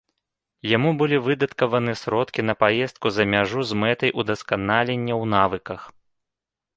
Яму былі выдаткаваны сродкі на паездку за мяжу з мэтай удасканалення ў навуках.